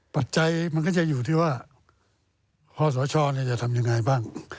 ปัจจัยมันก็จะอยู่ที่ว่าฮสชจะทำยังไงบ้าง